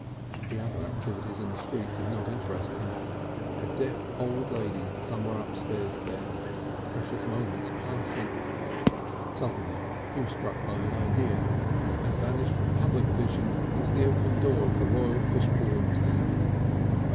The other activities in the street did not interest him. A deaf old lady somewhere upstairs there! Precious moments passing! Suddenly he was struck by an idea and vanished from public vision into the open door of the Royal Fishbourne Tap.